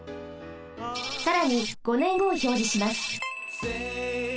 さらに５ねんごをひょうじします。